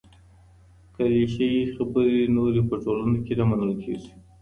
کليشه يي خبري نورې په ټولنه کي نه منل کېږي.